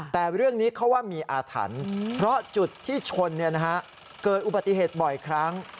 แต่เรื่องนี้เขาว่ามีอาถรรพ์เพราะจุดที่ชนเกิดอุบัติเหตุบ่อยครั้ง